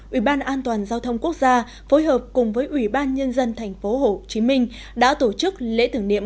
ủy ban an toàn giao thông quốc gia phối hợp cùng với ủy ban nhân dân tp hcm đã tổ chức lễ tưởng niệm